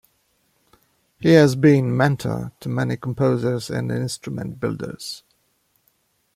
He has been mentor to many composers and instrument builders.